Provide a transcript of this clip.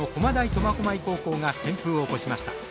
苫小牧高校が旋風を起こしました。